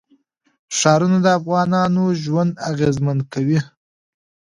ښارونه د افغانانو ژوند اغېزمن کوي.